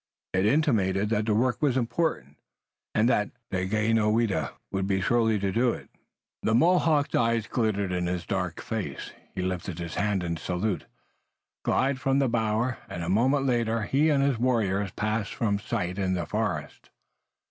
It intimated that the work was important and that Daganoweda would be sure to do it. The Mohawk's eyes glittered in his dark face. He lifted his hand in a salute, glided from the bower, and a moment later he and his warriors passed from sight in the forest.